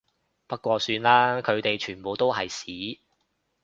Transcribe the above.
不過算啦，佢哋全部都係屎